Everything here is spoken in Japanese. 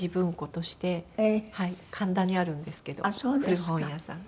神田にあるんですけど古本屋さん。